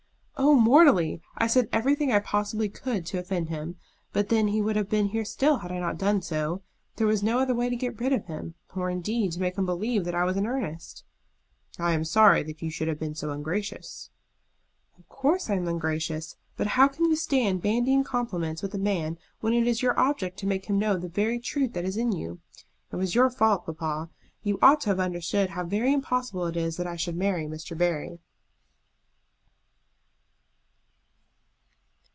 "Oh, mortally! I said everything I possibly could to offend him. But then he would have been here still had I not done so. There was no other way to get rid of him, or indeed to make him believe that I was in earnest." "I am sorry that you should have been so ungracious." "Of course I am ungracious. But how can you stand bandying compliments with a man when it is your object to make him know the very truth that is in you? It was your fault, papa. You ought to have understood how very impossible it is that I should marry Mr. Barry."